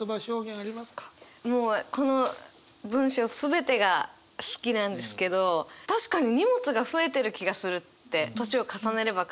もうこの文章全てが好きなんですけど確かに荷物が増えてる気がするって年を重ねれば重ねるほど。